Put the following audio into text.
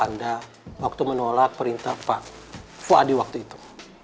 saya tidak pernah dengar sikap anda waktu menolak perintah pak fuad di waktu itu